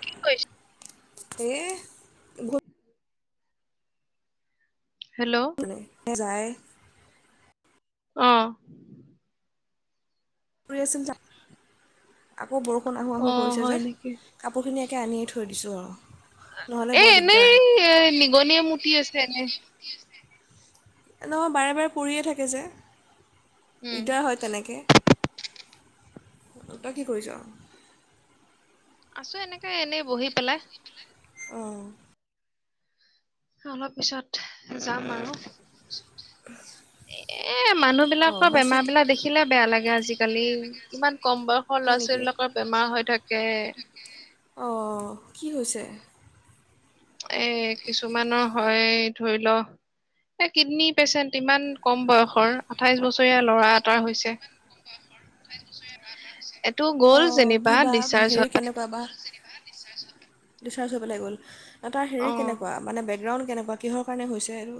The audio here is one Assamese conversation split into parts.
কি [unintelligible] এহ [inaudible] হেল্ল'। [unintelligible] যায়। অ'। [unintelligible] আকৌ বৰষুণ আহোঁ অ আহোঁ কৰিছে হয় যে। নেকি কাপোৰখিনি একে আনিয়ে থৈ দিছোঁ আৰু। নহ'লে এ, বৰ দিগদাৰ এনেই এ নিগনিয়ে মূতি আছে এনেই। নহয়, বাৰে বাৰে পৰি থাকে যে, উম দিগদাৰ হয় তেনেকৈ। তই কি কৰিছ? আছোঁ, এনেকে এনেই বহি পেলাই। অ'। অলপ পিছত যাম আৰু। এ, অঁ মানুহবিলাকৰ হস্পিটেল বেমাৰ-বিলাক দেখিলে বেয়া লাগে আজিকালি, ইমান কম বয়স সৰু হয় ল'ৰা ছোৱালীলাকৰ বেমাৰ হৈ থাকে। অ', কি হৈছে? এ, কিছুমানৰ হয় ধৰি লওঁ এ, কিডনী পেচেণ্ট ইমান কম বয়সৰ আঠাইশ বছৰীয়া ল'ৰা এটাৰ হৈছে। এইটো গ'ল যেনিবা ডিচাৰ্জ হ'ল। তাপা [unintelligible] ডিছচাৰ্জ হৈ পেলাই গ'ল, তাৰ হেৰী অ কেনকুৱা মানে বেকগ্ৰাউণ্ড কেনেকুৱা কিহৰ কাৰণে হৈছে, আৰু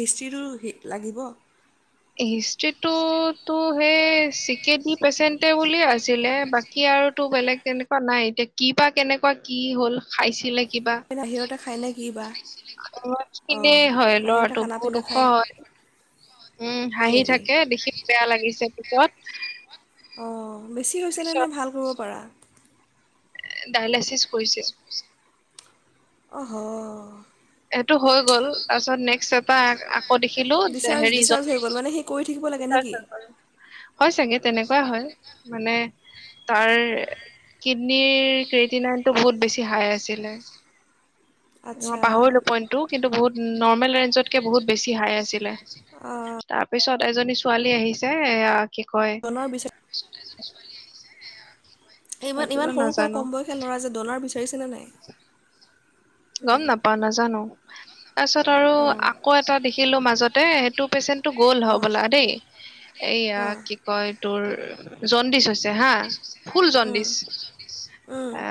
হিষ্টিটো হি লাগিব। হিষ্ট্ৰিটোতো সেই চি কে ডি পেচেণ্টে বুলিয়ে আছিলে বাক কি আৰু তো বেলেগ এনেকুৱা নাই এতিয়া কি বা কেনেকুৱা কি হ'ল খাইছিলে [unintelligible] খাই নে কি বা অঁ খিনেই হয় বাহিৰতে ল'ৰাটো খানা বহুত পিনা ওখ খায় হয়। উম, হয় হাঁহি নেকি থাকে দেখি বেয়া লাগিছে পিতত। অ', বেছি হৈছেনে নে ভাল হব পাৰা। ডায়েলাইচিছ কৰিছে। অহ, অ'। সেইটো হৈ গ'ল, তাৰপিছত নেক্সট এটা আকৌ দেখিলো ডিচাৰ্জ হেৰি ডিচাৰ্জ হৈ গ'ল মানে সেই কৰি থাকিব লাগে নেকি [unintelligible] হয় চাগে তেনেকুৱা হয় মানে তাৰ কিডনীৰ ক্ৰেতিনৰটো বহুত বেছি হাই আছিলে। [inaudible] আচ্ছা। কিন্তু-কিন্তু বহুত নৰ্মেল ৰে বহুত বেছি হাই আছিলে। অ'। তাৰ পিছত এজনী ছোৱালী আহিছে, এয়া কি কয় তাৰপিছত এজনী ছোৱালী আহিছে, ইমান এইটোতো ইমান সৰু সৰু নাজানো কম বয়স ল'ৰা যে ডনাৰ বিচাৰিছেনে নাই? নাই গম নাপাওঁ, নাজানো। তাৰপিছত আৰু অঁ আকৌ এটা দেখিলোঁ মাজতে, সেইটো পেচেণ্টটো গ'ল, হ'বলা দেই। এইয়া অ', কি কয় তোৰ জণ্ডিচ হৈছে হা ফুল অঁ জণ্ডিচ। অঁ অঁ এ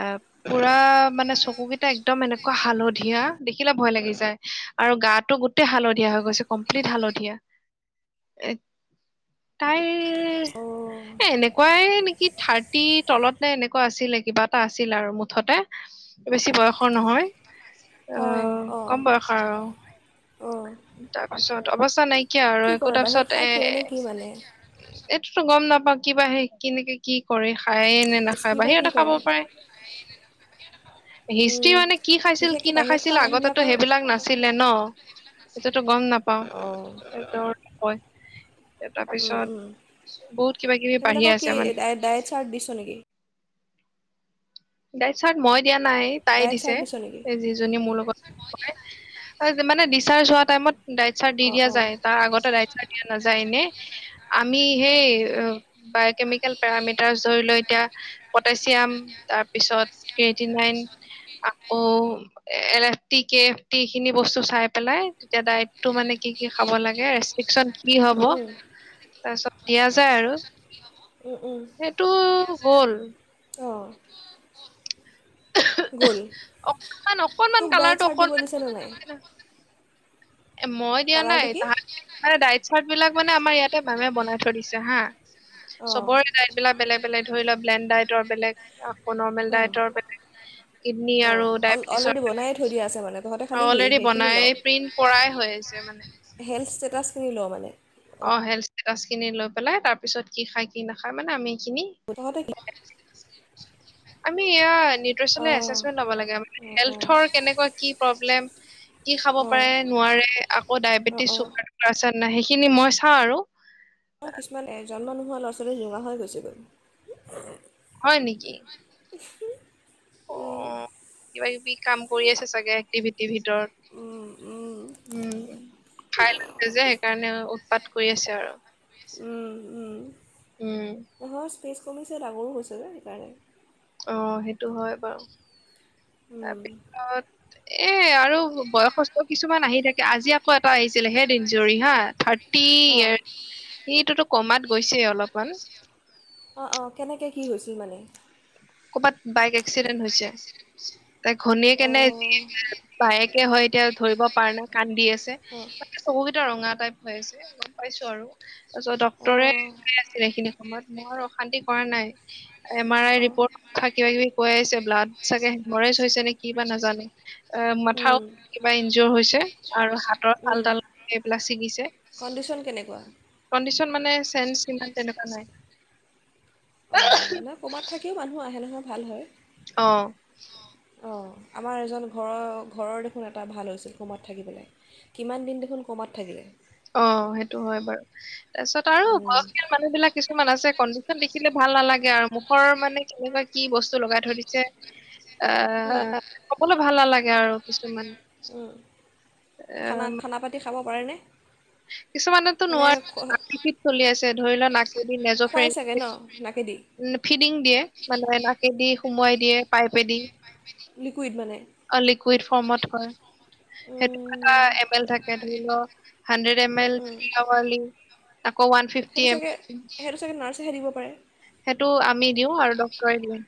পুৰা মানে চকুকেইটা একদম এনে এনেকুৱা হালধীয়া দেখিলে ভয় লাগি যায়। আৰু গাটো গোটেই হালধীয়া হৈ গৈছে। কমপ্লিট হালধীয়া। এক অ', এ, এনেকুৱাই নেকি থাৰ্টি তলত নে এনেকুৱা আছিলে, কিবা এটা আছিল, আৰু মুঠতে বেছি বয়সৰ নহয়। অঁ আহ অঁ কম বয়সৰ আৰু। অঁ তাৰ পিছত অৱস্থা নাইকিয়া আৰু কি একো। কৰে বাহিৰত তাৰপিছত খাই এ ফুৰে নে কি মানে? এইটোতো গম নাপাওঁ কিবা সে কেনেকে কি কৰে। খায় নে হিষ্ট্ৰী নাখায়পা। বা কি সিহঁতে খাব কৰে পাৰে। হিষ্ট্ৰী উম, মানে কি খাইছিল কি বিশেষকৈ বাহিৰত খোৱা নাখাইছিল আগতে মানুহবিলাকৰ সেইবিলাক নাছিলে ন? যিটো গম নাপাও অঁ [unintelligible] তাৰপিছত বহুত কিবা কিবি বাঢ়ি আছে মানে। চাৰ্চ দিছ নেকি? [unintelligible] মই দিয়া নাই তাই ডায়েট দিছে। চাৰ্ট দিছ নেকি [unintelligible] মানে ডিচাৰ্জ হোৱা টাইমত ডাইট চাৰ দি অঁ দিয়া অঁ যায়। তাৰ আগতে ডাইট চাৰ দিয়া নাযায় এনে। আমি সেই বায় কেমিকেল পেৰামিটাৰ ধৰি ল এতিয়া পটছিয়াম তাৰপিছত কেটিনাইন আকৌ এ L F T K F T এই খিনি বস্তু চাই পেলাই তেতিয়াই তটো মানে কি কি খাব লাগে। ৰেষ্ট্ৰিকচন কি হব উম তাৰপিছত দিয়া যায় আৰু। উম সেইটো গ'ল। অ', গ'ল। অকনমান অকনমান তোক দায় কালাৰটো চাৰ দিব দিছে অকনমান নে নাই? এ মই দিয়া নাই। কালাৰটো কি তাহাঁতে মানে ডায়েট চাৰ্ট বিলাক মানে আমাৰ ইয়াতে মামে বনাই থৈ দিছে হা। অঁ চবৰে ডায়েটবিলাক বেলেগ বেলেগ ধৰি লোৱা ব্লেণ্ড ডাইটৰ বেলেগ আকৌ নৰ্মেল অঁ ডায়টৰ বেলেগ কিডনী আৰু ডায়বেটিছৰ বেলেগ। চলি আছে মানে। তহঁতে খালি সেইখিনি ল। প্ৰিন্ট কৰাই হৈ আছে মানে। হেনচ ষ্টেটাছখিনি লওঁ মানে? অ হেল্থ ষ্টেটাচ খিনি লৈ পেলাই তাৰপিছত কি খাই কি নাখায় মানে আমি এই খিনি প্ৰথমতে কি আমি এয়া নিউট্ৰেচনেল অঁ এচেচমেন্ট লৱ লাগে। অঁ অঁ হেলথৰ কেনেকুৱা কি প্ৰব্লেম কি খাব পাৰে নোৱাৰে আকৌ অঁ ডায়বেটিছ অঁ চুগাৰ আছে না নাই সেইখিনি মই চাওঁ আৰু অ কিছুমান এ জন্ম নোহোৱা ল'ৰা ছোৱালী [unintelligible] হৈ গুছি গ'ল। হয় নেকি? অ উম কিবা কিবি কাম কৰি আছে চাগে এক্টিভিটিৰ ভিতৰত। উম, উম, উম খাই লৈছে যে সেইকাৰণে উৎপাত কৰি আছে আৰু। উম উম। উম নহয় স্পেচ কমিছে ডাঙৰো হৈছে যে সেইকাৰণে। উম সেইটো হয় বাৰু। উম। তাৰপিছত এ আৰু বয়সস্থ কিছুমান আহি থাকে আজি আকৌ এটা আহিছিলে হে দিনজৰি হা থাৰ্ড থাৰতি অঁ এইট ইটোতো কমাত গৈছে অলপমান অঁহ অঁহ কেনেকে কি হৈছিল মানে? কৰ'বাত বাইক এক্সিডেণ্ট হৈছে। তাই ঘনীয়েকে অঁ কেনে অঁ বাইক কে হয় এতিয়া ধৰিব পাৰ নাই কান্দি আছে [unintelligible] চকুকেইটা ৰঙা টাইপ হৈ আছে, গম পাইছো আৰু তাৰপিছত ডক্টৰে অঁ [unintelligible] সেইখিনি [unintelligible] মই অশান্তি কৰা নাই। এম আৰ অঁ আই অঁ ৰিপৰ্ট থা কিবা কিবি কৈ আছে ব্লাড চাগে হেমৰেজ হৈছে নে কি বা নাজানো? এ মাথাওত উম কিবা ইনজৰ হৈছে আৰু হাতৰ হাল তাল এইবিলাক ছিগিছে। কণ্ডিশন কেনেকুৱা? কনডিচন মানে চেঞ্জ ইমান তেনেকুৱা নাই। অঁ নহয় ক'ৰবাত থাকিও মানুহ আহে নহয় ভাল হয়। অ। অ, আমাৰ এজন ঘৰৰ ঘৰৰ দেখোন এটা ভাল হৈছিল কমাত থাকি পেলাই। কিমান দিন দেখোন কমাত থাকিলে? অ সেইটো হয় বাৰু তাৰপিছত আৰু উম, বয়সীয়াল মানুহবিলাক কিছুমান আছে কণ্ডিচন দেখিলে ভাল নালাগে আৰু মুখৰ মানে কেনেকুৱা কি বস্তু লগাই থৈ দিছে? উম, আহ কবলৈ ভাল নালাগে আৰু কিছুমান। উম, এ খানা খানা - পাতি খাব পাৰেনে? কিছুমানেতো মানে নোৱাৰে, [unintelligible] চলি আছে ধৰি লোৱা নাকেদি নেজ খুৱাই চাগে ফ্ৰেক ন নাকেদি উম ফিডিং দিয়ে মানে নাকেদি সুমোৱাই দিয়ে পাইপে দি। লিকুইড মানে অ লিকুইড ফৰ্মত হয়। সেইটো [unintelligible] উম, এম এল থাকে, ধৰি ল হাণ্ডৰেড এম উম, এল উম। [unintelligible] ফিফটি সেইটো এম চাগে, এল সেইটো চাগে নাৰচেহে দিব পাৰে। সেইটো আমি দিওঁ আৰু ডক্তৰে দিয়ে।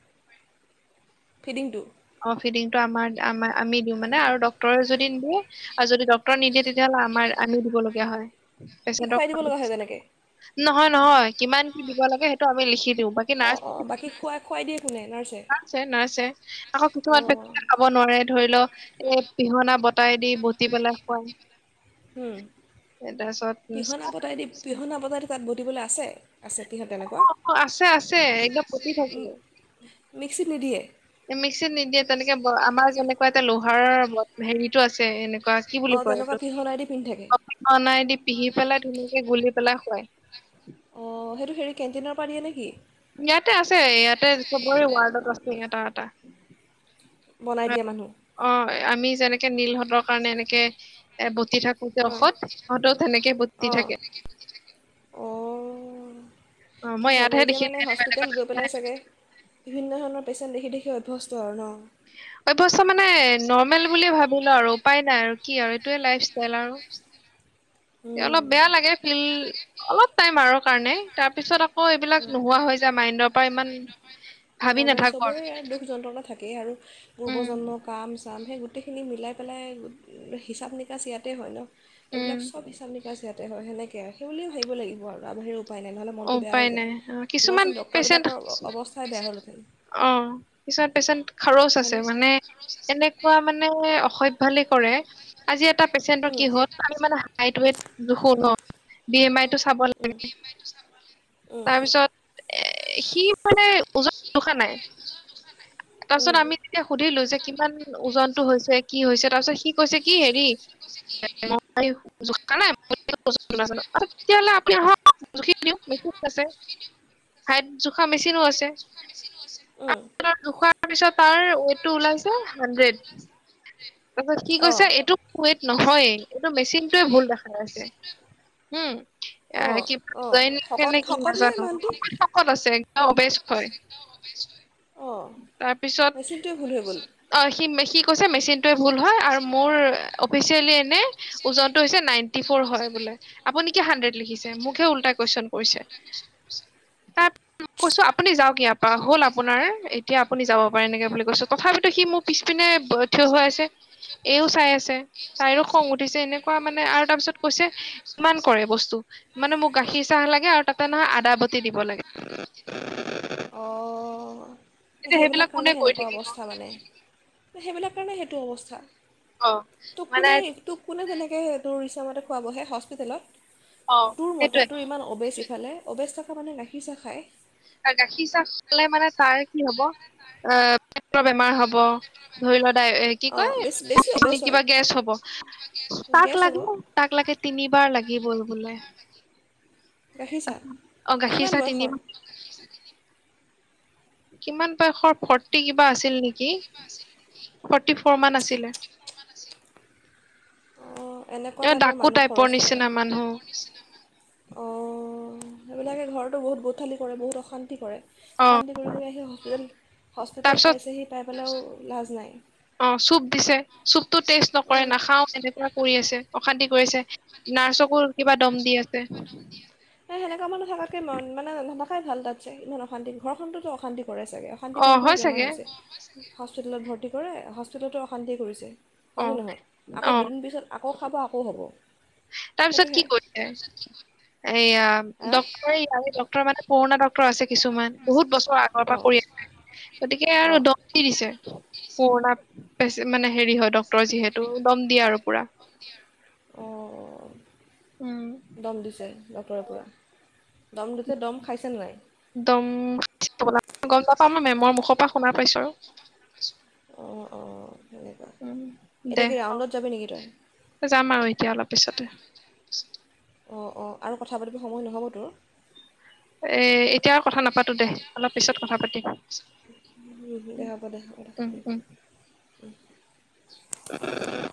ফিডিংটো? অ ফিডিংটো আমাৰ আম আমি দিওঁ মানে আৰু ডক্তৰে যদি দিয়ে আৰু যদি ডক্তৰে নিদিয়ে তেতিয়াহলে আমাৰ আমিও দিবলগীয়া হয়। কি খুৱাই পেচেন্টক দিব লগা হয় তেনেকৈ [unintelligible] নহয় নহয় কিমান কি দিব লাগে সেইটো আমি লিখি দিওঁ বাকী অ নাৰ্ছ অ, বাকী খুৱাই খুৱাই দিয়ে কোনে নাৰ্চে? নাৰ্ছে নাৰ্ছে আকৌ কিছুমান পেট বিষাই খাব নোৱাৰে ধৰি ল এই পিহনা বতাই দি বটি পেলাই খোৱাই। হুম, উম, পিহনা বতাই দিম পিহনা বতাই দি তাত বতিবলৈ আছে, আছে পিহত তেনে অ অ আছে আছে একদম বতি থাকো। মিক্সিত নিদিয়ে? এ মিক্সিত নিদিয়ে তেনেকে ব আমাৰ যেনেকুৱা এটা লোহাৰৰ ব হেৰিটো আছে এনে কা কি বুলি অঁ কয় তেনেকুৱা এইটো? পিহনাই দি পিন্ধি থাকে [unintelligible] দি পিহি পেলাই ধুনীয়াকে গুলি পেলাই খুৱাই। অঁহ সেইটো হেৰি কেণ্টিনৰ পৰা দিয়ে নেকি? ইয়াতে আছে, ইয়াতে চবৰে ৱাৰ্ডত আছে এটা এটা। বনাই দিয়ে মানুহ। অ, আমি যেনেকে নীলহঁতৰ কাৰণে এনেকে এ বতি থাকোতে হয় ঔষধ, সিহঁতেও তেনেকে বতি অঁ থাকে। অঁ অ কি মই হ'ব ইয়াতহে এতিয়া দেখিলো মানে এনে হস্পিতেল বেলেগত গৈ পেলাই চাগে বিভিন্ন ধৰণৰ পেচেণ্ট দেখি দেখি অভ্যস্ত আৰু ন? অভ্যস্থ মানে নৰ্মেল বুলিয়ে ভাবিলো আৰু উপায় নাই আৰু কি আৰু এইটোৱে লাইফ ষ্টাইল আৰু। এ অলপ উম বেয়া লাগে ফিল অলপ টাইম আৰু কাৰণে তাৰ পিছত আকৌ এইবিলাক নোহোৱা হৈ যায় মাইণ্ডৰ পৰা ইমান ভাবি নৰ্মেল নাথাকো চবৰে আৰু ইয়া দুখ যন্ত্ৰণা থাকেই আৰু উম পূৰ্বজন্ম কাম-চাম সেই গোটেইখিনি মিলাই পেলাই হিচাপ নিকাচ ইয়াতে হয় ন উম এইবিলাক চব হিচাপ নিকাচ ইয়াতে হয় সেনেকে, সেই বুলিও ভাবিব লাগিব আৰু আমাৰ উপায় নাই নহ'লে মনটো বেয়া হৈ উপায় যায়। নাই অ, কিছুমান নহ'লেচোন ডক্তৰ পেচেণ্ট বিলাকৰ অৱস্থাই বেয়া হ'লহেতেন। অ কিছুমান পেচেণ্ট খৰচ আছে হয়নে মানে এনেকুৱা মানে অসভ্যসালি কৰে। আজি এটা পেচেণ্টৰ উম কি হ'ল আমি মানে হাইত ৱোৱেট জুখো ন, বি এম আইটো চাব উম লাগে। উম তাৰপিছত এ সি মানে ওজন জোখা নাই, তাৰপিছত উম আমি এতিয়া সুধিলো যে কিমান ওজনটো হৈছে কি হৈছে তাৰপিছত সি কৈছে কি হেৰি [unintelligible] [unintelligible] হাইত জোখা মেচিনো আছে। উম। জোখাৰ পিছত তাৰ ৱোৱেটো ওলাইছে হাণ্ড্ৰেড। তাৰপিছত কি অঁ কৈছে এইটো ৱোৱেট নহয়, মেচিনটোৱে ভুল দেখাই আছে হম। অ', অ', শকত শকত নে মানুহটো? [unintelligible] অ', তাৰপিছত মেচিনটোৱে ভুল হৈ গ'ল অ সি সি কৈছে মেচিন ভুল হয় আৰু মোৰ অফিচিয়েলী এনে ওজনটো হৈছে নাইন্টি ফৰ হয় বোলে। আপুনি কি হাড্ৰেড লিখিছে, মোকহে উল্টা কুৱেশন কৰিছে। তাত মই কৈছো আপুনি যাও ইয়াৰ পৰা হ'ল আপোনাৰ এতিয়া আপুনি যাব পাৰে এনেকে বুলি কৈছো, তথাপিতো সি মোক পিছপিনে থিয় হৈ আছে। এইও চাই আছে তাইৰো খং উঠিছে এনেকুৱা মানে আৰু তাৰপিছত কৈছে কিমান কৰে বস্তু মানে মোক গাখীৰ চাহ লাগে আৰু তাতে নহয় আদা বতি দিব লাগে। [inaudible] অ এতিয়া সেইবিলাক কাৰণে কোনে কৰি সেনেকুৱা থাকিব অৱস্থা মানে। ত সেইবিলাক কাৰণে সেইটো অৱস্থা, অ তোক মানে কোনোই তোক কোনে তেনেকে তোৰ ইচ্ছামতে খুৱাবহে হস্পিটেলত। অ তোৰ মতে সেইটোয়ে তোৰ ইমান অবেচ ইফালে অবেচ থকা মানে গাখীৰ চাহ খাই আৰু গাখীৰ চাহ খালে মানে তাৰ কি হ'ব আহ বেমাৰ হ'ব, ধৰি লোৱা কি অঁ বেছি কয় বেছি অবেজ [unintelligible] হয়। কিবা গেছ হ'ব, তাক গেছ হ'ব লাগে তাক লাগে তিনিবাৰ লাগিবৈ বোলে। গাখীৰ চাহ অ গাখীৰ কিমান চাহ বয়সৰ? তিনিবাৰ কিমান বয়সৰ ফৰ্তি কিবা আছিল নেকি ফৰ্টি ফ'ৰ মান আছিলে। অঁ এনেকুৱা এ টাইপৰ ডাকো মানুহ টাইপৰ খৰচ নিচিনা মানুহ। অ সেইবিলাকে ঘৰতো বহুত গোথালি কৰে বহুত অশান্তি কৰে। অ অশান্তি কৰি কৰি আহি হস্পিতে হস্পিতেল তাৰপিছত পাইছেহি পাই পেলাইও লাজ নাই। অ চুপ দিছে, চুপতটো টেষ্ট নকৰে নাখাও এনেকুৱা কৰি আছে, অশান্তি কৰিছে, নাৰ্চকো কিবা দম দি আছে। সে সেনেকা থকাকে মন মানে নাথাকাই ভাল তাত চে ইমান অশান্তি, ঘৰখনতো অশান্তি কৰে চাগে। অশান্তি অ কৰি হয় কৰি বেমাৰ চাগে হৈছে, হস্পিতেলত ভৰ্তি কৰে হস্পিতেলতো অশান্তিয়ে কৰিছে। অ হয়নে নহয়? অ আকৌ দুদিন পিছত আকৌ খাব আকৌ হ'ব। তাৰপিছত কি সেইটোহে কৰিলে? এয়া হা ডক্তৰে এইয়া ডক্তৰ মানে পুৰণা ডক্তৰ তৰ আছে কিছুমান, বহুত বছৰ আগৰ পৰা অঁ কৰি আছে, গতিকে আৰু অঁ ড কি দিছে? পুৰণা প্ৰচেন মানে হেৰি হয় ডক্তৰ যিহেতু দম দিয়ে আৰু পুৰা। অহ। উমঁ। দম দিছে ডক্টৰে পুৰা। দম দিছে দম খাইছে নে নাই? দম [unintelligible] গম নাপাওঁ, মই মেমৰ মুখৰ পৰা শুনা পাইছো আৰু। অঁ', -অঁ', -তেনেকুৱা। উম এতিয়া দে কি ৰাউণ্ডত যাবি নেকি তই? যাম আৰু এতিয়া অলপ পিছতে। অ', -অ', আৰু কথা পাতিব সময় নহ'ব তোৰ? এই এতিয়া আৰু কথা নাপাতো দে, অলপ পিছত কথা পাতিম। দে হ'ব দে, উম উম উম। [inaudible]